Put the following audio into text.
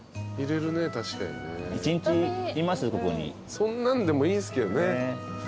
そんなんでもいいんすけどね。